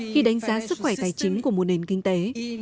khi đánh giá sức khỏe tài chính của một nền kinh tế